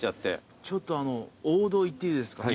ちょっとあのう王道いっていいですか？